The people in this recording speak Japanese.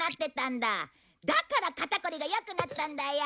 だから肩こりが良くなったんだよ。